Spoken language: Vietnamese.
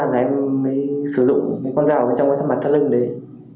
là em mới sử dụng con dao ở bên trong với thân mặt thân lưng đấy